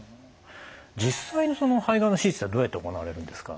実際の肺がんの手術っていうのはどうやって行われるんですか？